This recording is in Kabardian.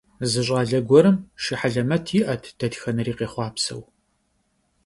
Зы щӏалэ гуэрым шы хьэлэмэт иӏэт, дэтхэнэри къехъуапсэу.